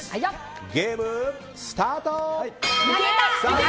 ゲームスタート！